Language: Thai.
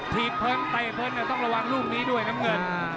ถีบเผิ้ลแต่เผิ้ลต้องระวังรูปนี้ด้วยน้ำเงินน่ะ